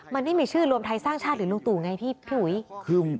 มันไม่มีชื่อรวมไทยสร้างชาติหรือลุงตู่ไงพี่อุ๋ย